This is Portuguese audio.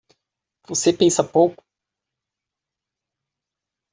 Você pensa pouco